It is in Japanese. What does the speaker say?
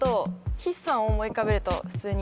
筆算を思い浮かべると普通に。